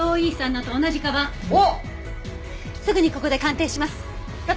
すぐにここで鑑定します。